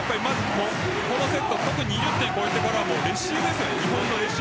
このセット特に２０点超えてからはレシーブですよね。